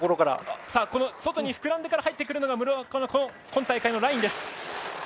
外に膨らんでから入ってくるのが村岡の今大会のラインです。